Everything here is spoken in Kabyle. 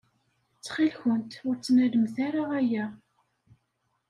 Ttxil-kent ur ttnalemt ara aya.